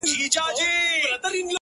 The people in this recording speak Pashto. • د نېكيو او بديو بنياد څه دئ ,